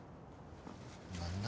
何だ？